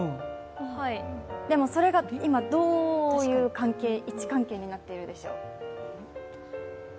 でも、それが今どういう位置関係になっているでしょう？